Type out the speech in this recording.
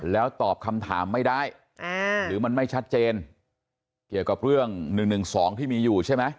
แล้วตอบคำถามไม่ได้หรือมันไม่ชัดเจนเกี่ยวกับเรื่อง๑๑๒ที่มีอยู่ใช่ไหม